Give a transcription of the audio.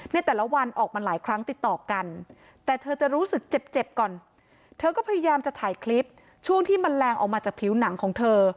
ในแต่ละวันออกมาหลายครั้งติดต่อกันแต่เธอจะรู้สึกเจ็บเจ็บก่อนเธอก็พยายามจะถ่ายคลิปช่วงที่มันแรงออกมาจากผิวหนังของเธอ